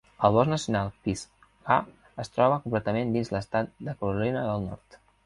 El bosc nacional Pisgah es troba completament dins l'estat de Carolina del Nord.